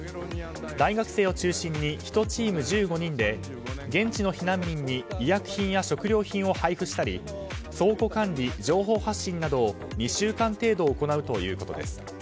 大学生を中心に１チーム１５人で現地の避難民に医薬品や食料品を配布したり倉庫管理、情報発信などを２週間程度行うということです。